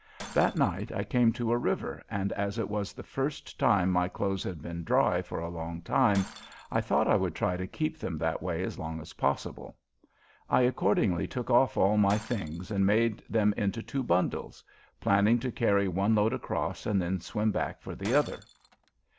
That night I came to a river, and as it was the first time my clothes had been dry for a long time, I thought I would try to keep them that way as long as possible. I accordingly took off all my things and made them into two bundles, planning to carry one load across and then swim back for the other.